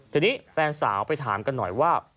ทีนี้แฟนสาวไปถามกันหน่อยว่า